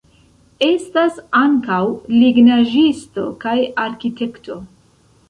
Estas ankaŭ lignaĵisto kaj arkitekto.